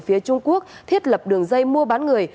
phía trung quốc thiết lập đường dây mua bán người